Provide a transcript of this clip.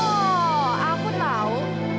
oh aku tahu